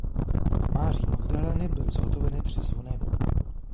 Maří Magdalény byly zhotoveny tři zvony.